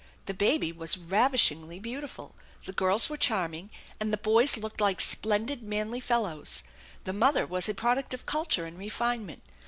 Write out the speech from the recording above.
The baby was ravishingly beautiful, the girls were charming, and the boys looked like splendid, manly fellows. The mother was a product of culture and refinement.